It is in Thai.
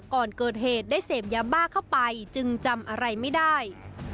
ก่อนเกิดเหตุได้เสพยาบ้าเข้าไปจึงจำอะไรไม่ได้